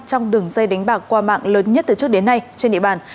trong đường dây đánh bạc qua mạng lớn nhất từ trước đến nay trên địa bàn